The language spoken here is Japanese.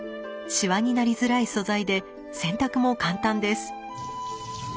シワになりづらい素材で洗濯も簡単です。